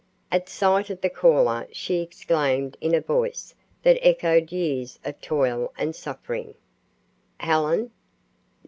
At sight of the caller she exclaimed in a voice that echoed years of toil and suffering: "Helen!"